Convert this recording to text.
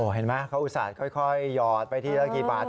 เห็นไหมเขาอุตสานค่อยยอดไปที่แล้วกี่บาท